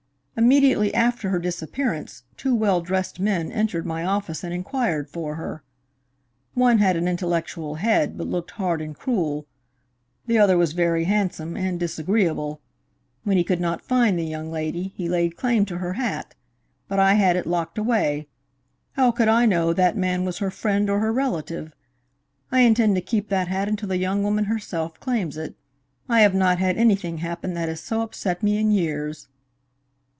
Immediately after her disappearance, two well dressed men entered my office and inquired for her. One had an intellectual head, but looked hard and cruel; the other was very handsome and disagreeable. When he could not find the young lady, he laid claim to her hat, but I had it locked away. How could I know that man was her friend or her relative? I intend to keep that hat until the young woman herself claims it. I have not had anything happen that has so upset me in years."